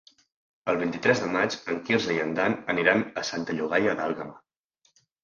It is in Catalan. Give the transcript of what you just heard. El vint-i-tres de maig en Quirze i en Dan aniran a Santa Llogaia d'Àlguema.